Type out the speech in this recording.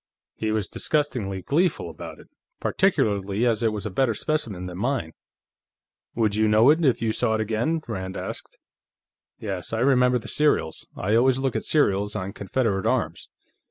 He was disgustingly gleeful about it, particularly as it was a better specimen than mine." "Would you know it, if you saw it again?" Rand asked. "Yes. I remember the serials. I always look at serials on Confederate arms.